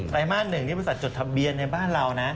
ไรมาส๑นี่บริษัทจดทะเบียนในบ้านเรานะ